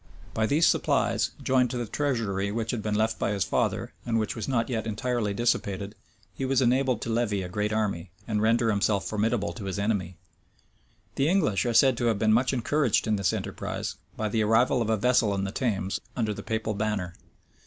[] By these supplies, joined to the treasure which had been left by his father, and which was not yet entirely dissipated, he was enabled to levy a great army, and render himself formidable to his enemy. The English are said to have been much encouraged, in this enterprise, by the arrival of a vessel in the Thames under the papal banner.